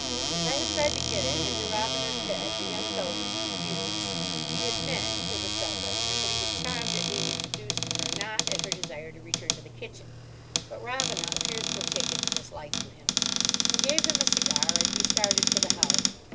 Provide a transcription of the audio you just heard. As I have tried to get it into Robina's head, the young fellow was confused. He had meant—it was self evident—that he was charmed at being introduced to her, not at her desire to return to the kitchen. But Robina appears to have taken a dislike to him. I gave him a cigar, and we started for the house.